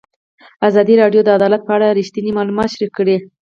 ازادي راډیو د عدالت په اړه رښتیني معلومات شریک کړي.